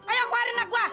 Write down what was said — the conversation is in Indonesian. ayo keluarin anak gua